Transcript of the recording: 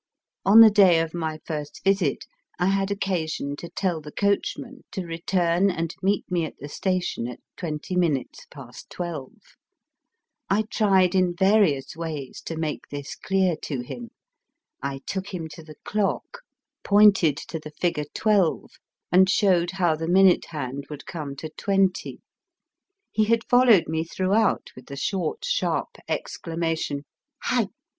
On the day of my first visit I had occasion to tell the coachman to return and meet me at the station at twenty minutes past twelve. I tried in various ways to make this clear to him. I took him to the clock, pointed to the Digitized by VjOOQIC f6tB DAT AT ASAKUSA. 205 figure twelve, and showed how the minute hand would come to twenty. He had followed me throughout with the short, sharp exclama tion, Heih